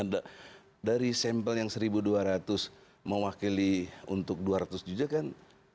dari sampel yang seribu dua ratus mewakili untuk dua ratus juta kan